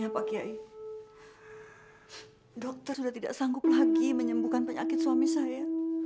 pak kiai dokter sudah tidak sanggup lagi menyembuhkan penyakit suami saya